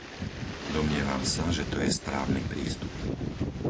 Domnievam sa, že to je správny prístup.